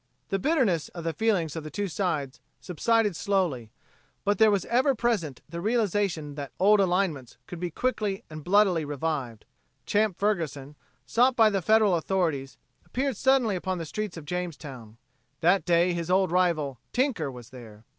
The bitterness of the feeling of the two sides subsided slowly, but there was ever present the realization that old alinements could be quickly and bloodily revived. Champ Ferguson, sought by the Federal authorities, appeared suddenly upon the streets of Jamestown. That day his old rival, "Tinker," was there.